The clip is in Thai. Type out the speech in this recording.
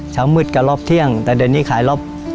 เช้ามืดกับรอบเที่ยงแต่เดี๋ยวนี้ขายรอบ